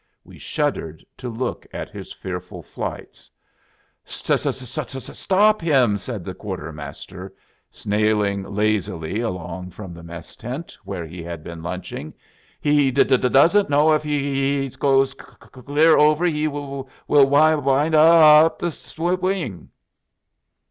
We shuddered to look at his fearful flights. "St t top him," said the quartermaster, snailing lazily along from the mess tent, where he had been lunching; "h e d doesn't know that if h e g g goes c clear over h e'll w ind up the sw ing."